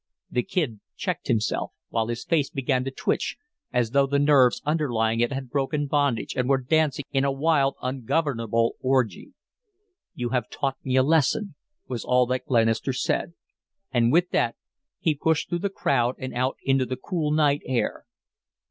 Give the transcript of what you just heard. The Kid checked himself, while his face began to twitch as though the nerves underlying it had broken bondage and were dancing in a wild, ungovernable orgy. "You have taught me a lesson," was all that Glenister said, and with that he pushed through the crowd and out into the cool night air.